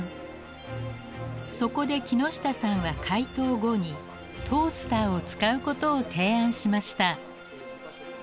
そこで木下さんは解凍後にトースターを使うことを提案しました。